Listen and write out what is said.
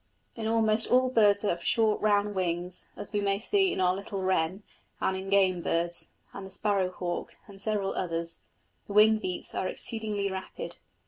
In almost all birds that have short, round wings, as we may see in our little wren, and in game birds, and the sparrow hawk, and several others, the wing beats are exceedingly rapid.